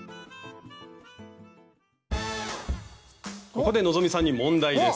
ここで希さんに問題です。